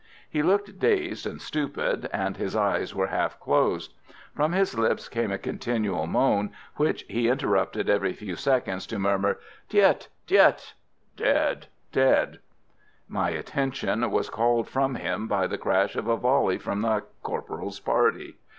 He looked dazed and stupid, and his eyes were half closed. From his lips came a continual moan, which he interrupted every few seconds to murmur: "Tiet! Tiet!" ("Dead! Dead!") My attention was called from him by the crash of a volley from the corporal's party.